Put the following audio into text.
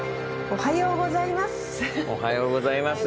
おはようございます。